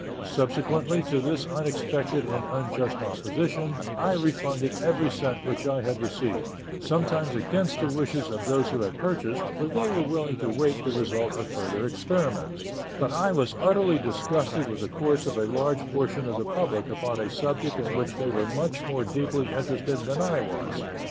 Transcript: Subsequently to this unexpected and unjust opposition, I refunded every cent which I had received, sometimes against the wishes of those who had purchased, for they were willing to wait the result of further experiments; but I was utterly disgusted with the course of a large portion of the public upon a subject in which they were much more deeply interested than I was.